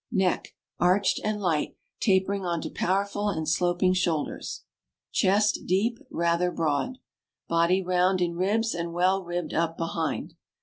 Neck arched and light, tapering onto powerful and sloping shoulders. Chest deep, rather broad. Body round in ribs and well ribbed up behind.